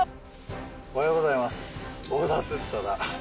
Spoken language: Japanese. おはようございます。